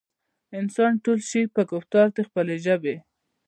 انسان تول شي پۀ ګفتار د خپلې ژبې